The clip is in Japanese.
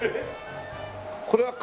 これは顔